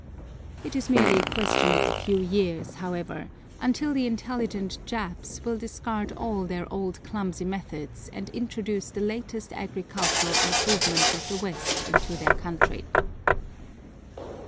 It is merely a question of a few years, however, until the intelligent Japs will discard all their old clumsy methods and introduce the latest agricultural improvements of the West into their country.